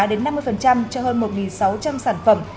đến năm mươi cho hơn một sáu trăm linh sản phẩm